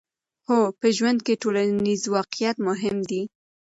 هو، په ژوند کې ټولنیز واقعیت مهم دی.